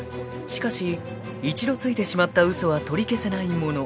［しかし一度ついてしまった嘘は取り消せないもの］